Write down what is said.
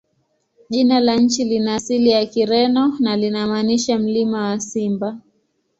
Jina la nchi lina asili ya Kireno na linamaanisha "Mlima wa Simba".